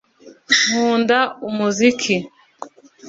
nkunda umuziki